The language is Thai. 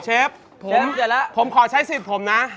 เชฟผมขอใช้ศิษย์ผมนะ